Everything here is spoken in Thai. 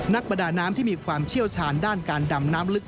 ประดาน้ำที่มีความเชี่ยวชาญด้านการดำน้ำลึก